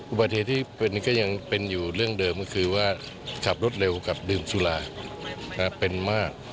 อุบัติเหตุที่เป็นก็ยังเป็นอยู่เรื่องเดิมก็คือว่าขับรถเร็วกับดื่มสุราเป็นมาก